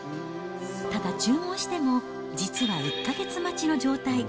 ただ注文しても、実は１か月待ちの状態。